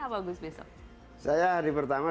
apa agus besok saya hari pertama